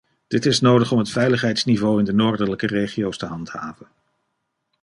Dit is nodig om het veiligheidsniveau in de noordelijke regio's te handhaven.